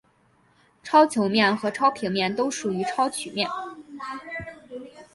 超球面和超平面都属于超曲面。